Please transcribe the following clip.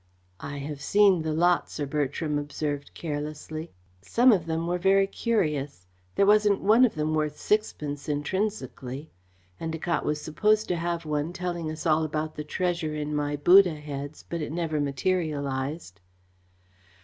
"I have seen the lot," Sir Bertram observed carelessly. "Some of them were curious. There wasn't one of them worth sixpence, intrinsically. Endacott was supposed to have one telling us all about the treasure in my Buddha heads, but it never materialised."